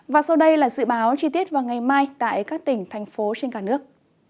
và sau đây là dự báo chi tiết vào ngày mai tại các tỉnh thành phố trên cả nước